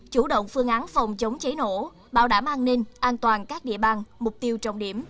chủ động phương án phòng chống cháy nổ bảo đảm an ninh an toàn các địa bàn mục tiêu trọng điểm